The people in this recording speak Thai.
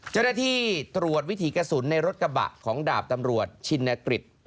เจ้าหน้าที่ตรวจวิถีกระสุนในรถกระบะของดาบตำรวจชินกฤษ